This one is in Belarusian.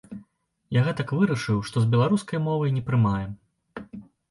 Я гэтак вырашыў, што з беларускай мовай не прымаем.